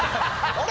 あれ？